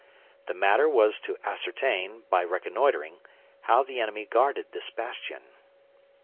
The matter was to ascertain, by reconnoitering, how the enemy guarded this bastion.